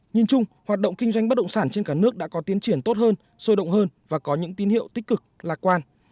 nhìn chung hoạt động kinh doanh bất động sản trên cả nước đã có tiến triển tốt hơn sôi động hơn và có những tin hiệu tích cực lạc quan